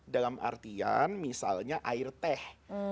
dalam artian misalnya air teh